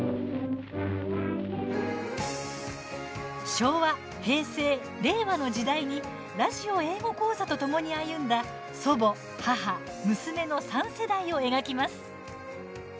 昭和・平成・令和の時代にラジオ英語講座とともに歩んだ祖母、母、娘の３世代を描きます。